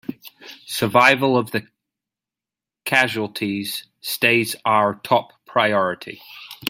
Survival of the casualties stays our top priority!